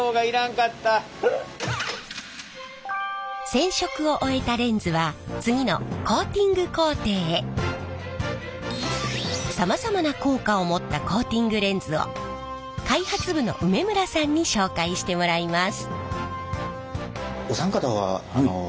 染色を終えたレンズは次のさまざまな効果を持ったコーティングレンズを開発部の梅村さんに紹介してもらいます。